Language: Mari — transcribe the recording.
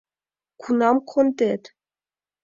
Кунам кондет?